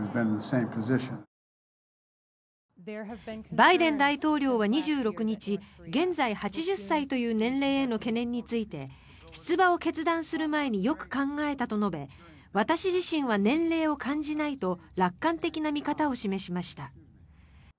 バイデン大統領は２６日現在８０歳という年齢への懸念について出馬を決断する前によく考えたと述べ私自身は年齢を感じないと楽観的な見方を示しました。